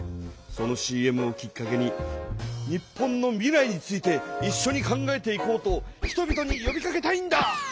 そのＣＭをきっかけに日本の未来についていっしょに考えていこうと人々によびかけたいんだ！